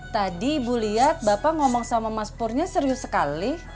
tadi ibu lihat bapak ngomong sama mas purnya serius sekali